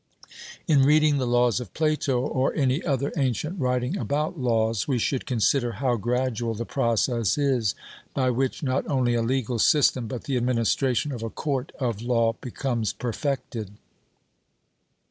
In reading the Laws of Plato, or any other ancient writing about Laws, we should consider how gradual the process is by which not only a legal system, but the administration of a court of law, becomes perfected.